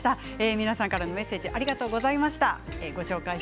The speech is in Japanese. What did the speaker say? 皆さんからのメッセージありがとうございました。